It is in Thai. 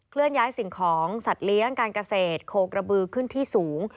เลื่อนย้ายสิ่งของสัตว์เลี้ยงการเกษตรโคกระบือขึ้นที่สูง